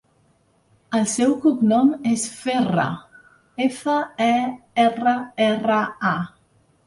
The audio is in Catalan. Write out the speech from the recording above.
El seu cognom és Ferra: efa, e, erra, erra, a.